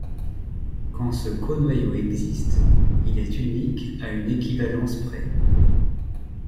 Quand ce conoyau existe, il est unique à une équivalence près.